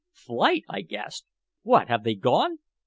"Flight!" I gasped. "What, have they gone?"